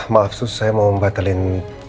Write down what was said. maaf sus saya mau membatalkan